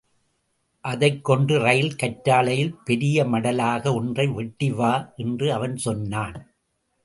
அதைக் கொண்டு ரயில் கற்றாழையில் பெரிய மடலாக ஒன்றை வெட்டி வா என்று அவன் சொன்னான்.